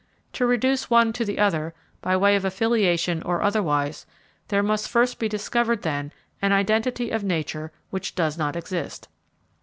To reduce one to the other, by way of affiliation or otherwise, there must first be discovered, then, an identity of nature which does not exist.